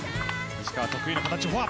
石川得意の形フォア！